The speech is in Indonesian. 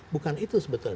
bukan itu sebetulnya